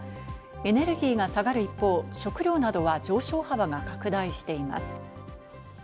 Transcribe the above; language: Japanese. エネルギーが下がる一方、食料などは上昇幅が拡大しています。